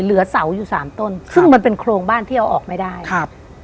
เหลือเสาอยู่สามต้นซึ่งมันเป็นโครงบ้านที่เอาออกไม่ได้ครับ